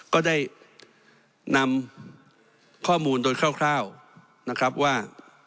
ก็ได้นำข้อมูลโดยคร่าวนะครับว่า